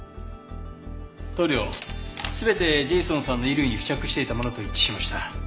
塗料全てジェイソンさんの衣類に付着していたものと一致しました。